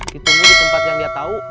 ditunggu di tempat yang dia tahu